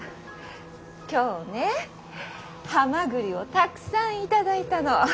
今日ねハマグリをたくさん頂いたの。